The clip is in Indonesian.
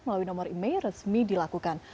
melalui nomor e mail resmi dilakukan